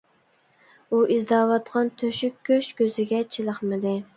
ئۇ ئىزدەۋاتقان ‹ ‹تۆشۈك گۆش› › كۆزىگە چېلىقمىدى.